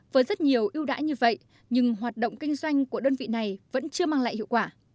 với rất nhiều ưu đãi như vậy nhưng hoạt động kinh doanh của đơn vị này vẫn chưa mang lại hiệu quả